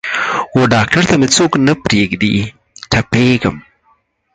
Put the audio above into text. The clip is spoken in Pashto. وډاکتر ته مې څوک نه پریږدي تپیږم